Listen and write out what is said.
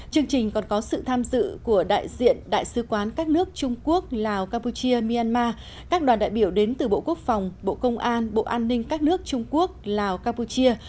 chương trình còn có sự tham dự của đại diện đại sứ quán các nước trung quốc lào campuchia myanmar các đoàn đại biểu đến từ bộ quốc phòng bộ công an bộ an ninh các nước trung quốc lào campuchia